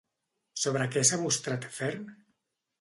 Sobre què s'ha mostrat ferm?